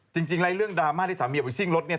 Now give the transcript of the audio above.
จริงอะไรเรื่องดราม่าในสามียาวอุ่นซิ่งรถเนี่ย